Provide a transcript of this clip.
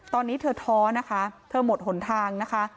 ตอนนี้เธอท้อนะคะเธอหมดหนทางนะคะ